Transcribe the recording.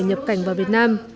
nhập cảnh vào việt nam